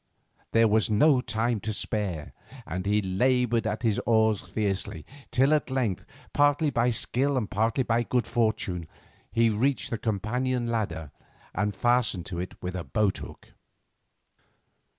There was no time to spare, and he laboured at his oars fiercely, till at length, partly by skill and partly by good fortune, he reached the companion ladder and fastened to it with a boat hook.